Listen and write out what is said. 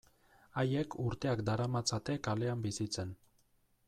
Haiek urteak daramatzate kalean bizitzen.